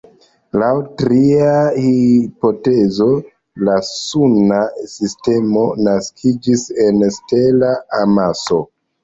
Laŭ tria hipotezo la Suna sistemo naskiĝis en stela amaso.